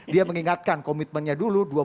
dia mengingatkan komitmennya dulu